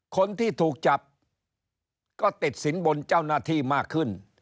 คนที่ถูกจับก็ติดสินบนเจ้าหน้าที่มากขึ้น